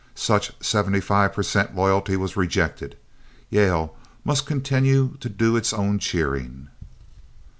Such seventy five percent loyalty was rejected. Yale must continue to do its own cheering.